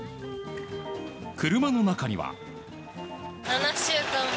車の中には。